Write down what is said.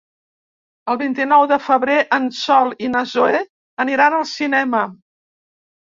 El vint-i-nou de febrer en Sol i na Zoè aniran al cinema.